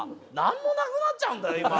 何もなくなっちゃうんだよ